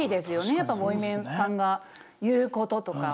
やっぱボイメンさんが言うこととか。